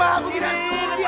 aku tidak dream